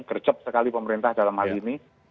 gercep sekali pemerintah dalam hal ini